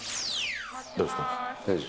どうですか。